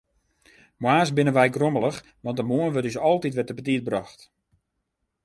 Moarns binne wy grommelich, want de moarn wurdt ús altyd wer te betiid brocht.